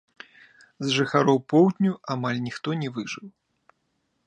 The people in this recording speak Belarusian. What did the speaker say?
З жыхароў поўдню амаль ніхто не выжыў.